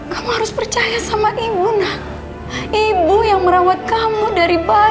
kamu harus percaya sama ibu nak ibu yang merawat kamu dari bayi